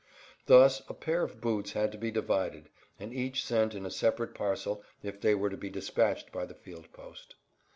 Thus a pair of boots had to be divided and each sent in a separate parcel if they were to be dispatched by field post.